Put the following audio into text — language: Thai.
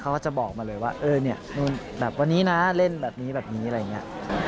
เขาก็จะบอกมาเลยว่าเออเนี่ยนู่นแบบวันนี้นะเล่นแบบนี้แบบนี้อะไรอย่างนี้